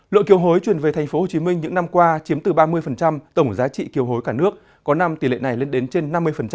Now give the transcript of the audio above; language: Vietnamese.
lượng kiều hối chuyển về tp hcm những năm qua chiếm từ ba mươi tổng giá trị kiều hối cả nước có năm tỷ lệ này lên đến trên năm mươi